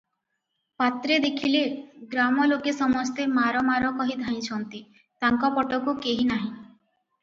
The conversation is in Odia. ପାତ୍ରେ ଦେଖିଲେ ଗ୍ରାମ ଲୋକେ ସମସ୍ତେ ମାର ମାର କହି ଧାଇଁଛନ୍ତି, ତାଙ୍କ ପଟକୁ କେହି ନାହିଁ ।